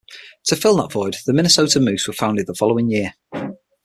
To fill that void, the Minnesota Moose were founded the following year.